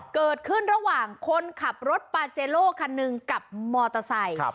เกิดขึ้นระหว่างคนขับรถปาเจโลคันหนึ่งกับมอเตอร์ไซค์